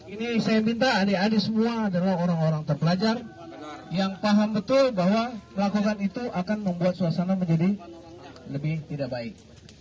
ini saya minta adik adik semua adalah orang orang terpelajar yang paham betul bahwa melakukan itu akan membuat suasana menjadi lebih tidak baik